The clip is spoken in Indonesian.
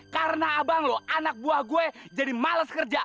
karena abang lu anak buah gue jadi males kerja